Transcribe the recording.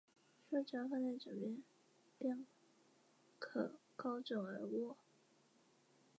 这也是日本知名时尚购物中心三井于东南亚区域的第一座名牌城。